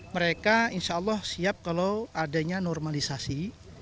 mereka insya allah siap kalau adanya normalisasi